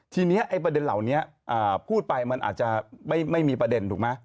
ทีนี้ไอ้ประเด็นเหล่านี้พูดไปมันอาจจะไม่มีประเด็นถูกไหม